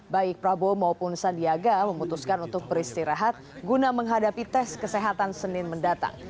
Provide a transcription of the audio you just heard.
baik prabowo maupun sandiaga memutuskan untuk beristirahat guna menghadapi tes kesehatan senin mendatang